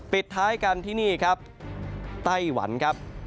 ปิดท้ายกันที่นี่ครับไต้หวันครับ